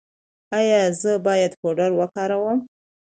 ایا زه باید پوډر وکاروم؟